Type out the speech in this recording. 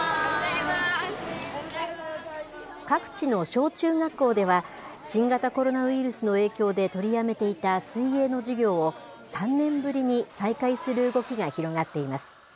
各地の小中学校では、新型コロナウイルスの影響で取りやめていた水泳の授業を、３年ぶりに再開する動きが広がっています。